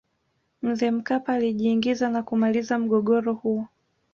mzee mkapa alijiingiza na kuumaliza mgogoro huo